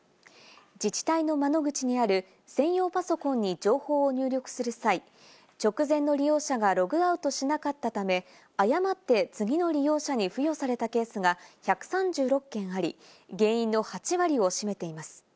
自治体の窓口にある専用パソコンに情報を入力する際、直前の利用者がログアウトしなかったため、誤って次の利用者に付与されたケースが１３６件あり、原因の８割を占めています。